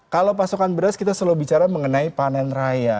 kalau pasokan beras kita selalu bicara mengenai panen raya